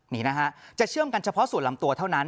นี่นะฮะจะเชื่อมกันเฉพาะส่วนลำตัวเท่านั้น